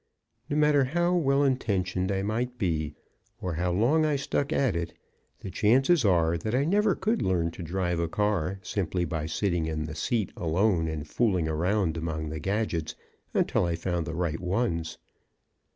No matter how well intentioned I might be, or how long I stuck at it, the chances are that I never could learn to drive a car simply by sitting in the seat alone and fooling around among the gadgets until I found the right ones.